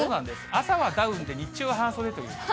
朝はダウンで、日中は半袖という。